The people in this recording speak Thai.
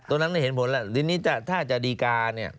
ตรงนั้นไม่เห็นผลแล้วทีนี้ถ้าจะดีการเนี่ย